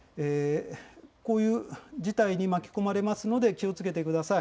こういう事態に巻き込まれますので、気をつけてください。